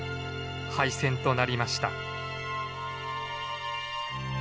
廃線となりました。